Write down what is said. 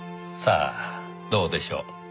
さあどうでしょう。